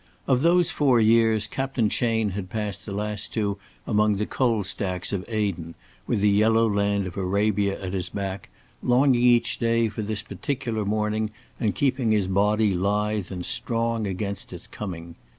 Of those four years Captain Chayne had passed the last two among the coal stacks of Aden, with the yellow land of Arabia at his back, longing each day for this particular morning, and keeping his body lithe and strong against its coming.